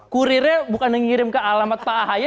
kurirnya bukan mengirim ke alamat pak ahy